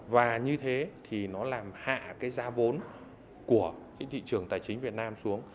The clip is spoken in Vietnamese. và như thế thì nó làm hạ cái giá vốn của cái thị trường tài chính việt nam xuống